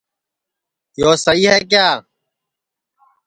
یو سئہی ہے کیا